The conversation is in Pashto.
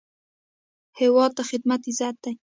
هیواد ته خدمت عزت دی